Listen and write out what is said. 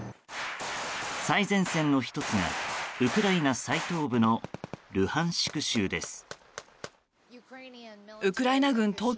最前線の１つがウクライナ最東部のルハンシク州です。